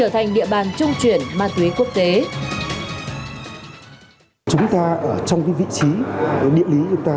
trở thành địa bàn trung chuyển ma túy quốc tế